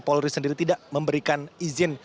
polri sendiri tidak memberikan izin